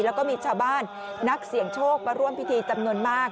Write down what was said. แล้วก็มีชาวบ้านนักเสี่ยงโชคมาร่วมพิธีจำนวนมาก